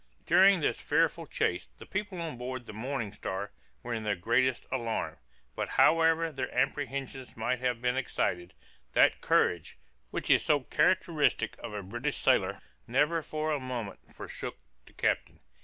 During this fearful chase the people on board the Morning Star were in the greatest alarm; but however their apprehensions might have been excited, that courage, which is so characteristic of a British sailor, never for a moment forsook the captain.